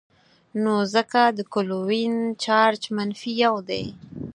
نو ځکه د کلوین چارج منفي یو دی.